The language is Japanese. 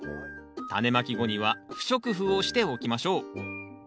タネまき後には不織布をしておきましょう。